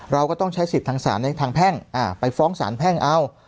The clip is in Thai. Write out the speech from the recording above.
เราก็ต้องใช้สิทธิ์ทางศาลในทางแพ่งไปฟ้องสารแพ่งเอา